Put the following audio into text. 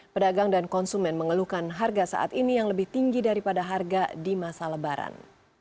pedagang dan konsumen mengeluhkan harga saat ini yang lebih tinggi daripada harga di masa lebaran